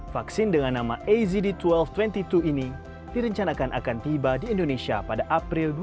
vaksin dengan nama azd dua ribu dua puluh dua ini direncanakan akan tiba di indonesia pada april dua ribu dua puluh